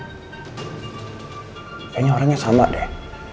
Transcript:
kayaknya orangnya sama deh